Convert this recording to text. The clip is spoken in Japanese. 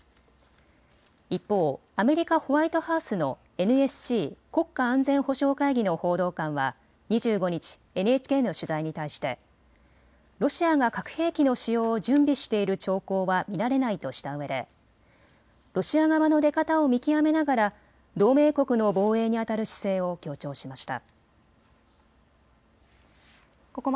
一方、アメリカ・ホワイトハウスのＮＳＣ・国家安全保障会議の報道官は２５日、ＮＨＫの取材に対してロシアが核兵器の使用を準備している兆候は見られないとしたうえでロシア側の出方を見極めながら同盟国の防衛にあたる姿勢を強調しました。